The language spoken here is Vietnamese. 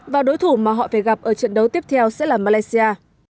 và đối thủ mà họ phải gặp ở trận đấu tiếp theo sẽ là malaysia